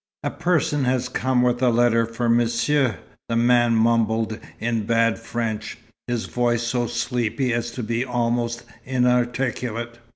"A person has come with a letter for Monsieur," the man mumbled in bad French, his voice so sleepy as to be almost inarticulate.